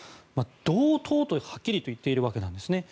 同等とはっきりと言っているわけです。